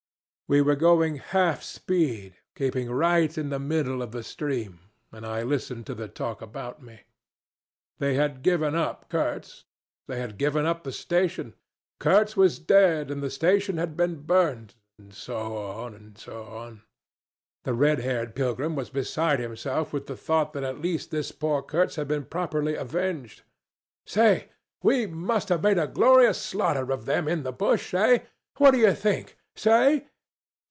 We were going half speed, keeping right in the middle of the stream, and I listened to the talk about me. They had given up Kurtz, they had given up the station; Kurtz was dead, and the station had been burnt and so on and so on. The red haired pilgrim was beside himself with the thought that at least this poor Kurtz had been properly revenged. 'Say! We must have made a glorious slaughter of them in the bush. Eh? What do you think? Say?'